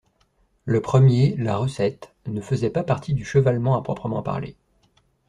Le premier, la recette, ne faisait pas partie du chevalement à proprement parler.